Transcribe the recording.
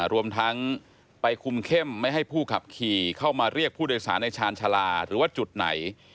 รวมทั้งไปคุมเข้มไม่ให้ผู้ขับขี่เข้ามาเรียกผู้โดยสารในชาญชาลาหรือว่าจุดไหน